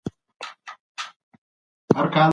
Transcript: کبابي په خپله مړاوې موسکا سره غرمه تېره کړه.